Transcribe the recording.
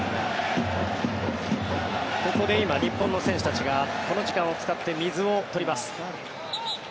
ここで今日本の選手たちがこの時間を使って水を取ります。